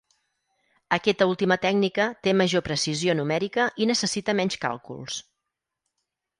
Aquesta última tècnica té major precisió numèrica i necessita menys càlculs.